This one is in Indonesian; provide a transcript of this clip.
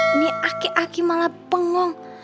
ini aki aki malah pengong